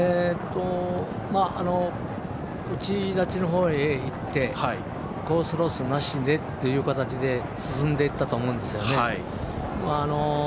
内ラチのほうへ行ってコースロスなしでという形で進んでいったと思うんですよね。